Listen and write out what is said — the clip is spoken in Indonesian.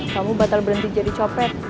kamu batal berhenti jadi copet